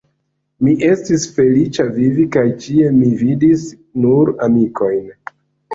Mi estis feliĉa vivi, kaj ĉie mi vidis nur amikojn.